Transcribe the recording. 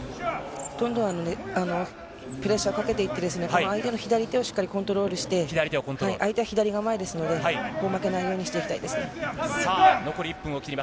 どんどんプレッシャーをかけていって相手の左手をコントロールして相手は左構えにしてそこを負けないようにしたいですね。